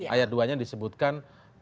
ayat dua nya disebutkan